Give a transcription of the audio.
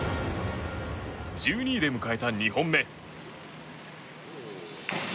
１２位で迎えた２本目。